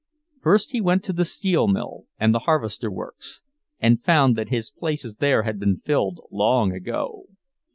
First he went to the steel mill and the harvester works, and found that his places there had been filled long ago.